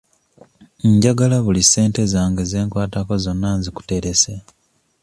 Njagala buli ssente zange ze nkwatako zonna nzikuterese.